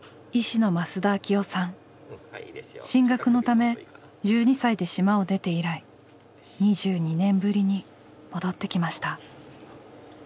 進学のため１２歳で島を出て以来２２年ぶりに戻ってきました。